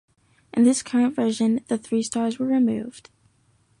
In this current version, the three stars were removed.